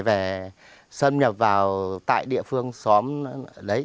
về xâm nhập vào tại địa phương xóm đấy